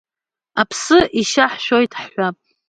Аԥсы ишьа ҳшәоит ҳҳәап.